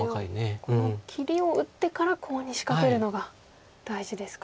この切りを打ってからコウに仕掛けるのが大事ですか。